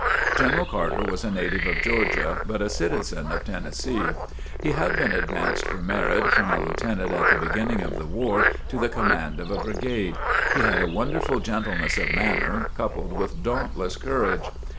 General Carter was a native of Georgia but a citizen of Tennessee. He had been advanced for merit from a lieutenant at the beginning of the war to the command of a brigade. He had a wonderful gentleness of manner coupled with dauntless courage.